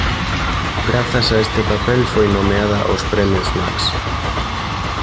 Grazas a este papel foi nomeada ós premios Max.